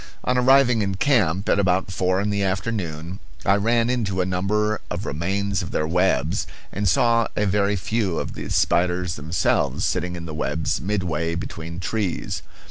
On arriving in camp, at about four in the afternoon, I ran into a number of remains of their webs, and saw a very few of the spiders themselves sitting in the webs midway between trees.